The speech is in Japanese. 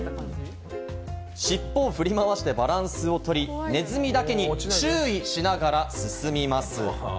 尻尾を振り回してバランスを取り、ネズミだけに、チュウイしながら進みます。